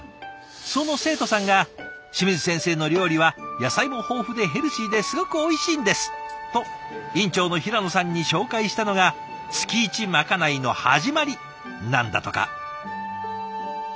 その生徒さんが「清水先生の料理は野菜も豊富でヘルシーですごくおいしいんです！」と院長の平野さんに紹介したのが月イチまかないの始まりなんだとか。